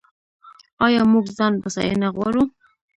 آیا موږ ځان بسیاینه غواړو؟